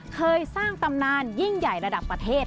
เคยสร้างตำนานยิ่งใหญ่ระดับประเทศ